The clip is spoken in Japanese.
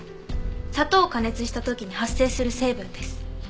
砂糖を加熱した時に発生する成分です。